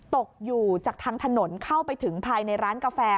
ตกอยู่จากทางถนนเข้าไปถึงภายในร้านกาแฟ